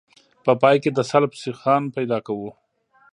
په پای کې د سلب سیخان پیدا کوو